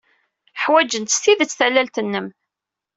Ḥwajent s tidet tallalt-nnem.